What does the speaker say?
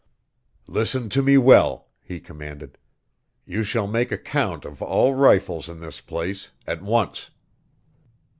"Listen to me well," he commanded. "You shall make a count of all rifles in this place at once.